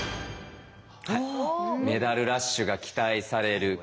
メダルラッシュが期待される競泳。